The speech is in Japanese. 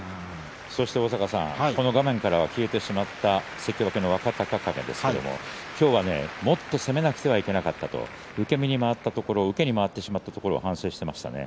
そして、この画面からは消えてしまった関脇の若隆景ですけれども今日はもっと攻めなくてはいけなかった、受け身に回ってしまったところ受けに回ってしまったところを反省していましたね。